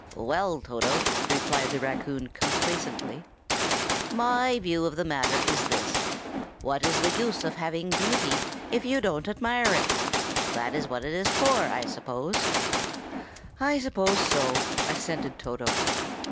"Well, Toto," replied the raccoon complacently, "my view of the matter is this: what is the use of having beauty if you don't admire it? That is what it's for, I suppose." "I suppose so," assented Toto.